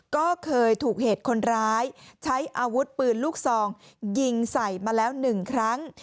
ก็เคยถูกเหตุคนร้ายใช้อาวุธปืนลูกซองยิงใส่มาแล้ว๑ครั้ง